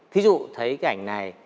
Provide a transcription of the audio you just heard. thí dụ thấy cái ảnh này